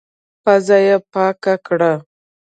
پزه يې پاکه کړه.